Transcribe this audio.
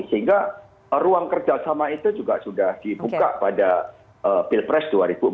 sehingga ruang kerjasama itu juga sudah dibuka pada pilpres dua ribu empat belas